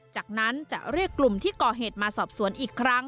จากนั้นจะเรียกกลุ่มที่ก่อเหตุมาสอบสวนอีกครั้ง